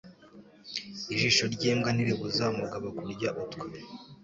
Ijisho ry’imbwa ntiribuza umugabo kurya utwe